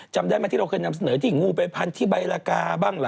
จำได้ไหมที่เราเคยนำเสนอที่งูไปพันที่ใบลากาบ้างล่ะ